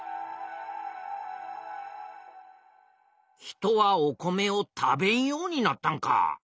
人はお米を食べんようになったんか。